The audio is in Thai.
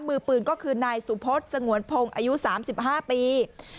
มือปืนก็คือนายสุพศสงวนพงศ์อายุ๓๕ปี